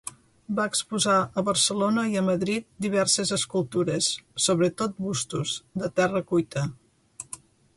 Va exposar a Barcelona i a Madrid diverses escultures, sobretot bustos, de terra cuita.